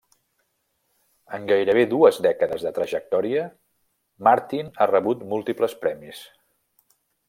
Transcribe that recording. En gairebé dues dècades de trajectòria, Martin ha rebut múltiples premis.